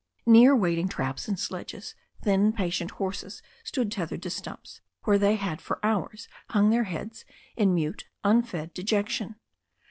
Near waiting traps and sledges, thin patient horses stood tethered to stumps, where they had for hours hung their heads in mute unfed dejection.